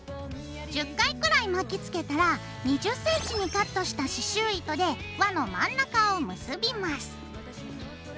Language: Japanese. １０回くらい巻きつけたら２０ｃｍにカットした刺しゅう糸で輪の真ん中を結びます。